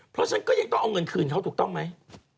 เพราะฉะนั้นก็ยังต้องเอาเงินคืนเขาถูกต้องไหม